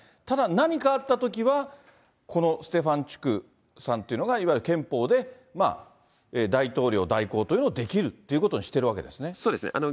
ただ何かあったときは、このステファンチュクさんというのが、いわゆる憲法で、大統領代行というのをできるっていうことにしてそうですね。